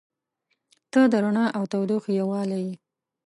• ته د رڼا او تودوخې یووالی یې.